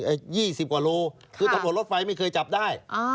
เอ่อยี่สิบกว่าโลคือตะโหลดรถไฟไม่เคยจับได้อ่า